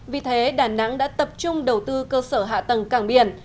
vì thế đà nẵng đã tập trung đầu tư cơ sở hạ tầng cảng biển